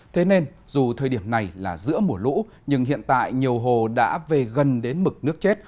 thế nên dù thời điểm này là giữa mùa lũ nhưng hiện tại nhiều hồ đã về gần đến mực nước chết